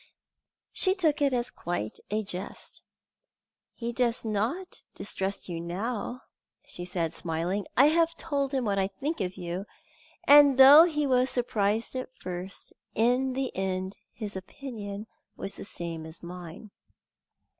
'" She took it as quite a jest. "He does not distrust you now," she said, smiling. "I have told him what I think of you, and though he was surprised at first, in the end his opinion was the same as mine."